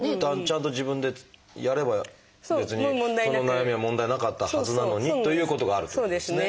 ちゃんと自分でやれば別にその悩みは問題なかったはずなのにということがあるということですね。